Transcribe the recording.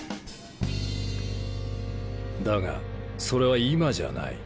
だがそれは今じゃない。